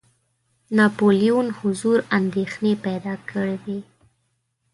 ناپولیون حضور اندېښنې پیدا کړي وې.